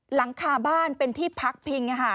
หลังคาบ้านเป็นที่พักพิง